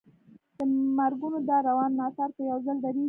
د مرګونو دا روان ناتار به یو ځل درېږي.